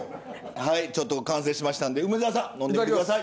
はいちょっと完成しましたんで梅沢さん飲んでみて下さい。